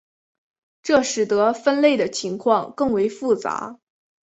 这使得分类的情况更为复杂。